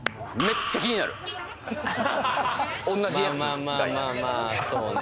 まあまあまあまあまあそうね